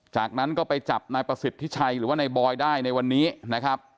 จากนั้นก็ไปจับนายประสิทธิชัยหรือว่านายบอยได้ในวันนี้นะครับ